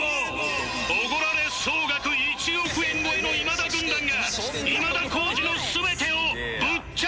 おごられ総額１億円超えの今田軍団が今田耕司の全てをぶっちゃける！